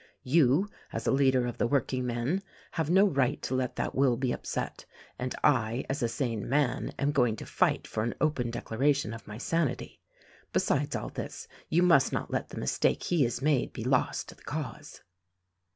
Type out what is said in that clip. "You, as a leader of the workingmen, have no right to let that will be upset; and I, as a sane man, am going to fight for an open declaration of my sanity. Besides all this, you must not let the mistake he has made be lost to the cause."